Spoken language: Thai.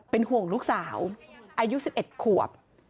เป็นห่วงลูกสาวอายุ๑๑ขวบ